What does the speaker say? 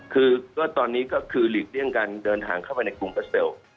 คือก็ตอนนี้ก็คือหลีกเลี่ยงการเดินทางเข้าไปในกรุงบราเซล